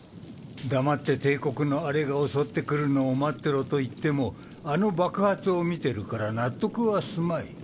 黙って帝国のあれが襲ってくるのを待ってろと言ってもあの爆発を見てるから納得はすまい。